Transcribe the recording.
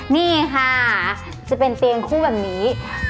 นี่ค่ะจะเป็นเตียงคู่แบบนี้